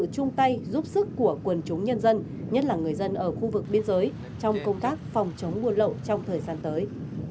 trong công tác phòng chống nguồn lậu trong thời gian tới